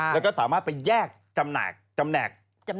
แล้วก็สามารถไปแยกจำแหนก